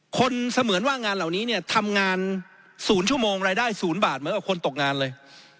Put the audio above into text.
เสมือนว่างานเหล่านี้เนี่ยทำงาน๐ชั่วโมงรายได้๐บาทเหมือนกับคนตกงานเลย